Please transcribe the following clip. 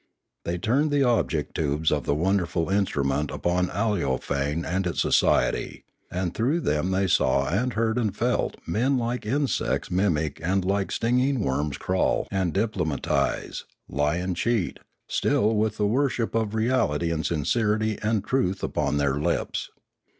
They turned the object tubes of the wonderful instrument upon Aleofane and its so ciety ; and through them they saw and heard and felt men like insects mimic and like stinging worms crawl and diplomatise, lie and cheat, still with the worship of reality and sincerity and truth upon their lips.